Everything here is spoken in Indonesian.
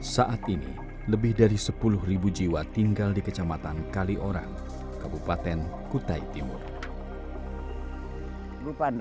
saat ini lebih dari sepuluh jiwa tinggal di kecamatan kaliorang kabupaten kutai timur